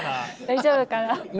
大丈夫かな？